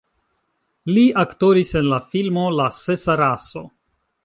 Li aktoris en la filmo La sesa raso.